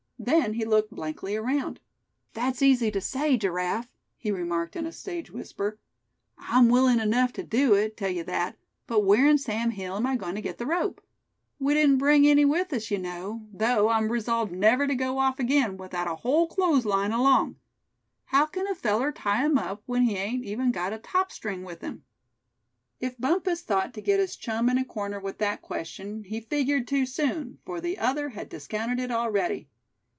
Then he looked blankly around. "That's easy to say, Giraffe," he remarked in a stage whisper; "I'm willing enough to do it, tell you that; but where in Sam Hill am I agoin' to get the rope? We didn't bring any with us, you know; though I'm resolved never to go off again without a whole clothes line along. How c'n a feller tie 'em up when he ain't got even a top string with him?" If Bumpus thought to get his chum in a corner with that question, he figured too soon, for the other had discounted it already.